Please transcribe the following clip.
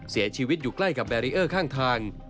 เสียชีวิตอยู่ใกล้กับแบรีเออร์ข้างทาง